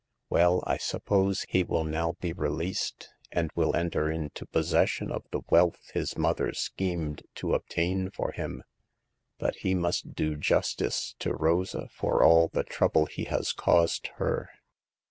Well, I suppose he will now be released and will enter into possession of the wealth his mother schemed to obtain for him. But he must do justice to Rosa for all the trouble he has caused her.